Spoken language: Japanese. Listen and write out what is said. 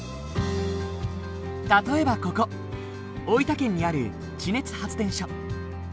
例えばここ大分県にある地熱発電所。